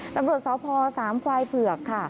ตำรวจสพสามควายเผือกค่ะ